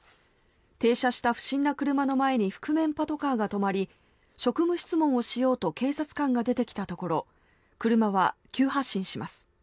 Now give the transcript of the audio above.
停車した不審な車の前に覆面パトカーが止まり職務質問をしようと警察官が出てきたところ車は急発進します。